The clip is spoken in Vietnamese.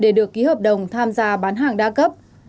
để được ký hợp đồng tham gia bán hàng đa cấp